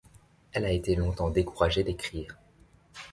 Elle a été longtemps découragée d'écrire.